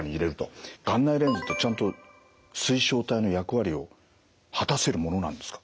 眼内レンズってちゃんと水晶体の役割を果たせるものなんですか？